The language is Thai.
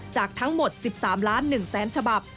จากทั้งหมด๑๓๑๐๐๐๐๐ฉบับ